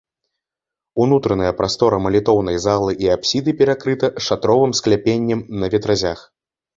Унутраная прастора малітоўнай залы і апсіды перакрыта шатровым скляпеннем на ветразях.